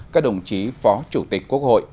các đồng chí phó chủ tịch quốc hội